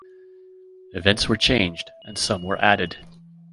Events were changed and some were added.